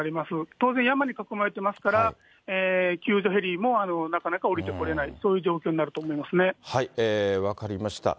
当然、山に囲まれてますから、救助ヘリもなかなか降りてこれない、分かりました。